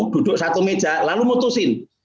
duduk satu meja lalu mutusin